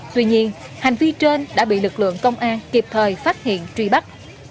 tuy nhiên hành vi trên đã bị lực lượng công an kịp thời phát hiện truy bắt